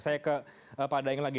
saya ke pak daeng lagi